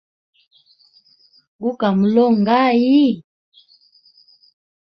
Gu ka mulongʼayi?